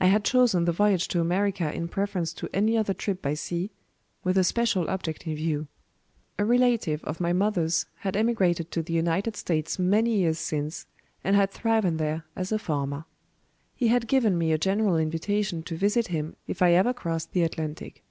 I had chosen the voyage to America in preference to any other trip by sea, with a special object in view. A relative of my mother's had emigrated to the United States many years since, and had thriven there as a farmer. He had given me a general invitation to visit him if I ever crossed the Atlantic.